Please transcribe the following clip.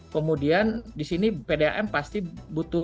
kemudian di sini pdam pasti berkualitasnya tidak layak pak